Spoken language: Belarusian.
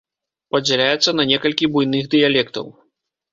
Падзяляецца на некалькі буйных дыялектаў.